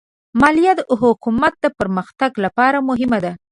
مالیه د حکومت د پرمختګ لپاره مهمه ده.